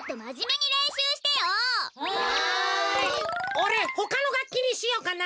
おれほかのがっきにしようかな。